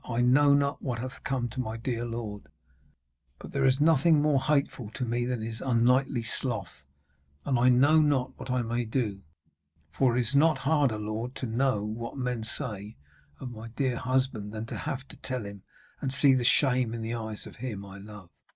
I know not what hath come to my dear lord. But there is nothing more hateful to me than his unknightly sloth! And I know not what I may do. For it is not harder, lord, to know what men say of my dear husband, than to have to tell him, and see the shame in the eyes of him I love.'